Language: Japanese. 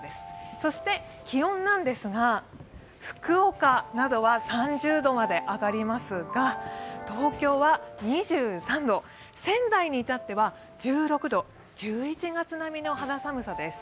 そして気温なんですが、福岡などは３０度まで上がりますが、東京は２３度、仙台に至っては１６度、１１月並みの気温です。